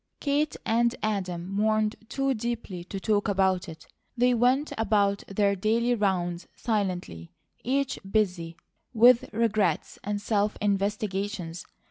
Kate and Adam mourned too deeply to talk about it. They went about their daily rounds silently, each busy with regrets and self investigations.